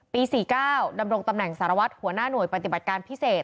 ๔๙ดำรงตำแหน่งสารวัตรหัวหน้าหน่วยปฏิบัติการพิเศษ